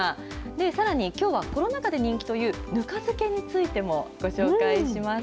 さらに、きょうはコロナ禍で人気というぬか漬けについてもご紹介します。